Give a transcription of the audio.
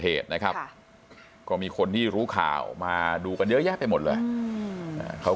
เหตุนะครับก็มีคนที่รู้ข่าวมาดูกันเยอะแยะไปหมดเลยเขา